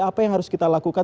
apa yang harus kita lakukan